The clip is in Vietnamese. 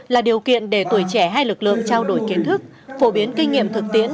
là điều kiện để tuổi trẻ hay lực lượng trao đổi kiến thức phổ biến kinh nghiệm thực tiễn